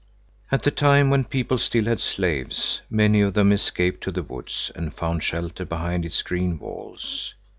At the time when people still had slaves, many of them escaped to the woods and found shelter behind its green walls.